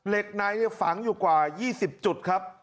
เหล็กไนท์ฝังอยู่กว่า๒๐จุดครับ